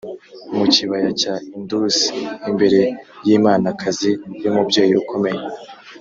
mu kibaya cya indus imbere yimanakazi y’umubyeyi ukomeye